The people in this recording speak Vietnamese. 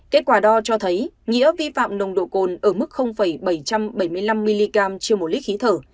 kết quả đo cho thấy nghĩa vi phạm nồng độ cồn ở mức bảy trăm bảy mươi năm mg trên một lít khí thở